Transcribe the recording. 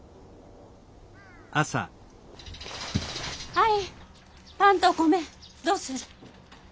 はいパンとお米どうする？